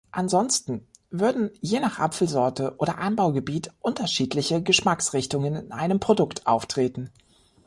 Ansonsten würden je nach Apfelsorte oder Anbaugebiet unterschiedliche Geschmacksrichtungen in einem Produkt auftreten.